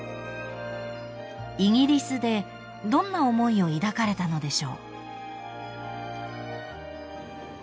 ［イギリスでどんな思いを抱かれたのでしょう？］